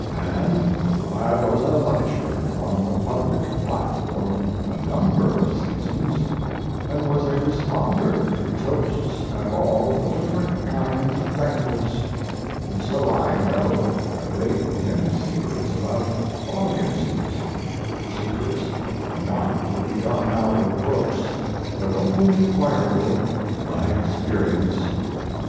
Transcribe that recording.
And I was a lecturer on the public platform a number of seasons and was a responder to toasts at all the different kinds of banquets and so I know a great many secrets about audiences secrets not to be got out of books, but only acquirable by experience.